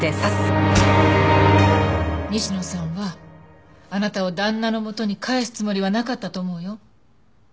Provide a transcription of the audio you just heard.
西野さんはあなたを旦那の元に帰すつもりはなかったと思うよ。